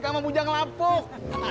kama bujang lapuk